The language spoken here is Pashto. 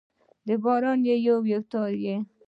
د باران یو، یو تار يې